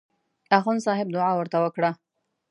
اخندصاحب دعا ورته وکړه.